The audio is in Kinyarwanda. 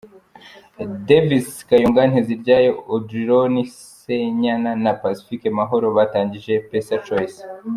Davis Kayonga Nteziryayo, Odilon Senyana na Pacifique Mahoro, batangije PesaChoice.